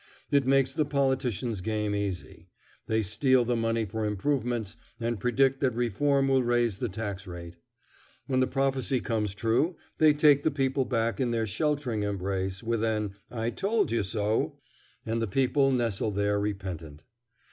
It makes the politicians' game easy. They steal the money for improvements, and predict that reform will raise the tax rate. When the prophecy comes true, they take the people back in their sheltering embrace with an "I told you so!" and the people nestle there repentant.